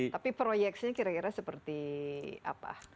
tapi proyeksinya kira kira seperti apa